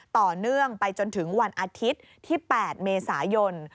ต่อเนื่องไปจนถึงวันอาทิตย์ที่๘เมษายน